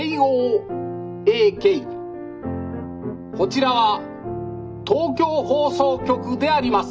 こちらは東京放送局であります。